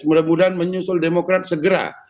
mudah mudahan menyusul demokrat segera